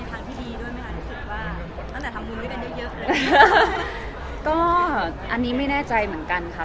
รู้สึกว่าตั้งแต่ทำบุญไม่ได้เยอะเยอะเลยก็อันนี้ไม่แน่ใจเหมือนกันค่ะ